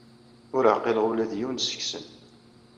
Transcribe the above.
Ur ɛqileɣ ula d yiwen seg-sen.